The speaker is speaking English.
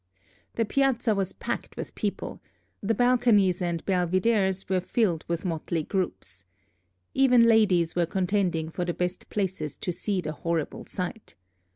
The Piazza was packed with people; the balconies and belvideres were filled with motley groups. Even ladies were contending for the best places to see the horrible sight.